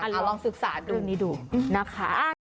ลองศึกษาเรื่องนี้ดูนะคะ